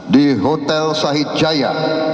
di hotel sahid jaya